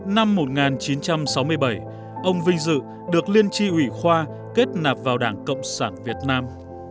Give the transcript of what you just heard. năm một nghìn chín trăm sáu mươi bảy ông vinh dự được liên tri ủy khoa kết nạp vào đảng cộng sản việt nam